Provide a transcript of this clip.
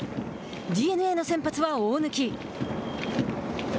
ＤｅＮＡの先発は、大貫。